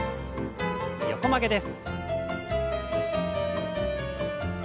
横曲げです。